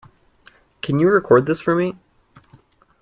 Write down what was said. Can you record this for me?